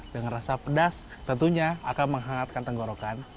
dengan rasa pedas tentunya akan menghangatkan tenggorokan